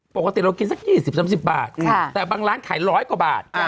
ปกติเรากินสัก๒๐๓๐บาทแต่บางร้านขาย๑๐๐กว่าบาท